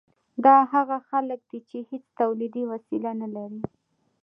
دا هغه خلک دي چې هیڅ تولیدي وسیله نلري.